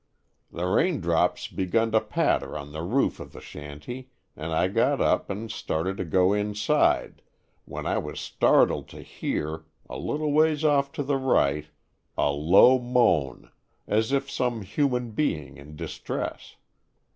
The rain drops begun to patter on the roof of the shanty and I got up and started to go inside, when I was startled to hear, a little ways off to the right, a low moan as if from some human being in distress.